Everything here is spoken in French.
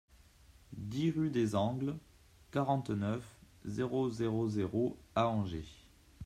dix rUE DES ANGLES, quarante-neuf, zéro zéro zéro à Angers